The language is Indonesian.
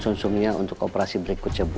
tulang usun suungnya untuk operasi berikutnya bu